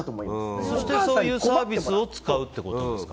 そして、そういうサービスを使うってことですか？